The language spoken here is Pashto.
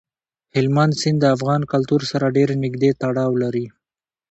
هلمند سیند د افغان کلتور سره ډېر نږدې تړاو لري.